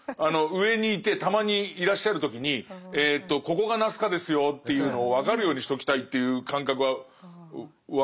上にいてたまにいらっしゃる時に「ここがナスカですよ」っていうのを分かるようにしときたいっていう感覚は分かるから。